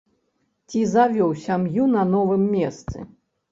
Ці завёў сям'ю на новым месцы?